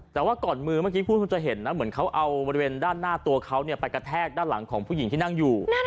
แต่ว่าก่อนมือเมื่อกี้พูดคุณจะเห็นนะเหมือนเขาเอาบริเวณด้านหน้าตัวเขาไปกระแทกด้านหลังของผู้หญิงที่นั่งอยู่